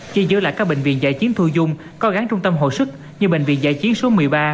chỉ giữ lại các bệnh viện giải chiến thu dung có gắn trung tâm hộ sức như bệnh viện giải chiến số một mươi ba một mươi bốn một mươi sáu